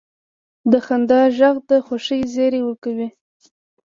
د خندا ږغ د خوښۍ زیری ورکوي.